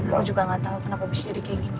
kau juga gak tau kenapa bisa jadi kayak gini